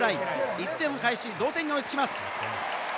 １点をかえし、同点に追いつきます。